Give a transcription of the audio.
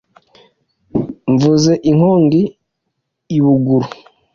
Nvuze inkongi i Buguru*